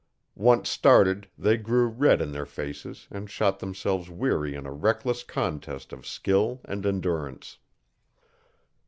Once started they grew red in their faces and shot themselves weary in a reckless contest of skill and endurance.